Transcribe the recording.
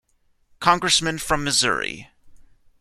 Congressman from Missouri.